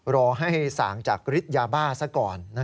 รอให้สั่งจากฤทธิ์ยาบ้าซะก่อน